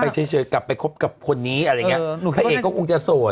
กลับไปเฉยกลับไปคบกับคนนี้พระเอกก็คงจะโสด